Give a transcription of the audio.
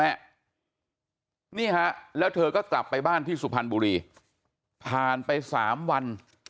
นี่ฮะแล้วเธอก็กลับไปบ้านที่สุพรรณบุรีผ่านไป๓วัน